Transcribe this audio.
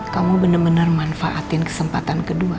kamu bener bener manfaatin kesempatan kedua